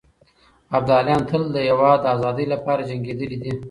ابداليان تل د هېواد د ازادۍ لپاره جنګېدلي دي.